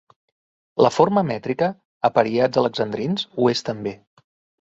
La forma mètrica -apariats alexandrins- ho és també.